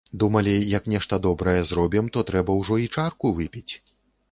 Думалі, як нешта добрае зробім, то трэба ўжо і чарку выпіць.